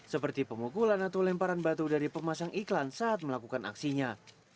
seperti pemukulan atau lemparan batu dari pemasang iklan saat melakukan aksinya